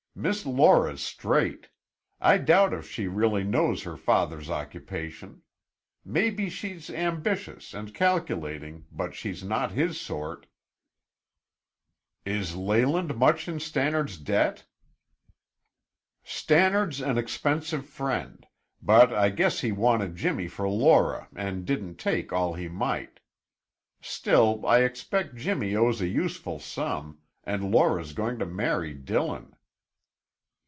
"Miss Laura's straight; I doubt if she really knows her father's occupation. Maybe she's ambitious and calculating, but she's not his sort." "Is Leyland much in Stannard's debt?" "Stannard's an expensive friend; but I guess he wanted Jimmy for Laura and didn't take all he might. Still I expect Jimmy owes a useful sum, and Laura's going to marry Dillon."